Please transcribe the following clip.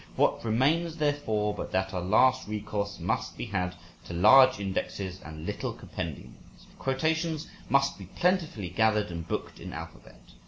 What remains, therefore, but that our last recourse must be had to large indexes and little compendiums? Quotations must be plentifully gathered and booked in alphabet.